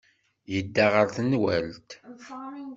Yedda ɣer tenwalt.